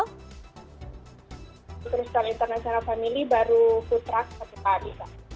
kristal international family baru futrak satu kali